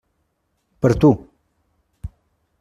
Per tu.